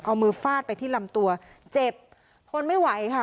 เอามือฟาดไปที่ลำตัวเจ็บทนไม่ไหวค่ะ